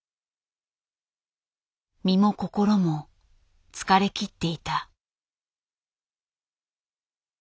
身も心も疲れきっていた。